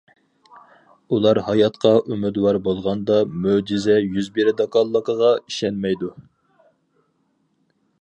ئۇلار ھاياتقا ئۈمىدۋار بولغاندا مۆجىزە يۈز بېرىدىغانلىقىغا ئىشەنمەيدۇ.